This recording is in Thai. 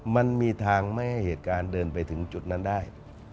มันมีทางไม่ให้เหตุการณ์เดินไปถึงจุดนั้นได้